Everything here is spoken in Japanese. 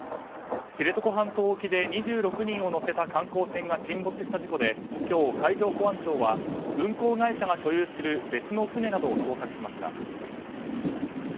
知床半島沖で２６人を乗せた観光船が沈没した事故で今日、海上保安庁は運航会社が所有する別の船などを捜索しました。